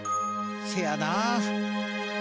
せやな。